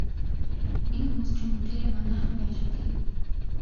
Энэ хүмүүс чинь бүгдээрээ манайхан байна шүү дээ.